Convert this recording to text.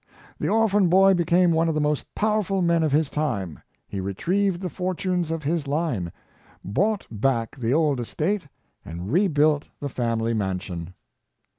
The orphan boy became one of the most powerful men of his time; he retrieved the fortunes of his line; bought back the old estate, and rebuilt the family mansion.